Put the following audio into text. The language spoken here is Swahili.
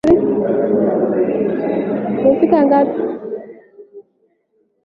nguvu mpyaAliyekuwa dikteta wa MalawiHastings Kamuzu Banda Baada ya Chakwera kushindwa katika